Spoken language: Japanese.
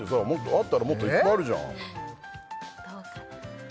合ったらもっといっぱいあるじゃん